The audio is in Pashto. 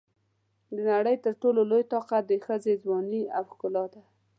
د نړۍ تر ټولو لوی طاقت د یوې ښځې ځواني او ښکلا ده.